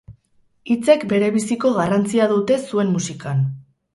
Hitzek berebiziko garrantzia dute zuen musikan.